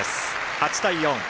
８対４。